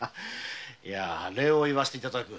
礼を言わせていただく。